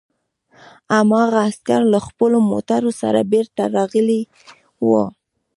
هماغه عسکر له خپلو موټرو سره بېرته راغلي وو